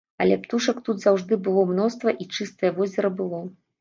Але птушак тут заўжды было мноства і чыстае возера было.